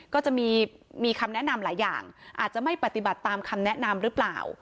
ก็จะมีคำแนะนำหลายอย่างอาจจะไม่ปฏิบัติตามคำแนะนำหรือเปล่า